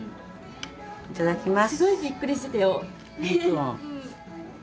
いただきます。